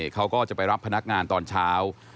เขาก็จะไปรับพนักงานตอนเช้า